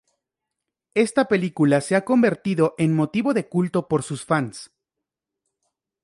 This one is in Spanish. Esta película se ha convertido en motivo de culto por sus fans.